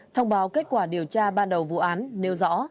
thông báo kết quả điều tra ban đầu vụ án nêu rõ